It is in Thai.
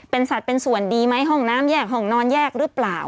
เป็นสัตว์เป็นส่วนดีไหมห้องน้ำแยกห้องนอนแยกหรือเปล่า